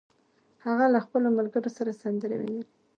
هغه له خپلو ملګرو سره سندرې ویلې